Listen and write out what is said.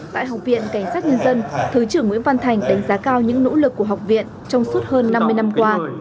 tại học viện cảnh sát nhân dân thứ trưởng nguyễn văn thành đánh giá cao những nỗ lực của học viện trong suốt hơn năm mươi năm qua